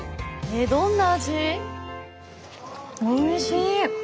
どんな味？